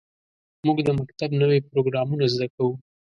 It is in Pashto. موږ د مکتب نوې پروګرامونه زده کوو.